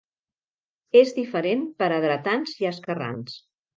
És diferent per a dretans i esquerrans.